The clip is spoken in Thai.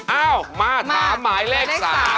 เอ้ามาถามหมายเลข๓